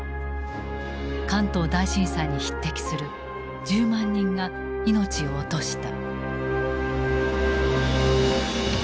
関東大震災に匹敵する１０万人が命を落とした。